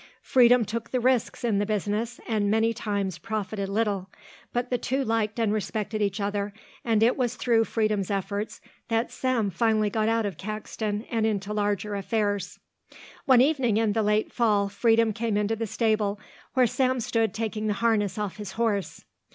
Freedom took the risks in the business and many times profited little, but the two liked and respected each other and it was through Freedom's efforts that Sam finally got out of Caxton and into larger affairs. One evening in the late fall Freedom came into the stable where Sam stood taking the harness off his horse.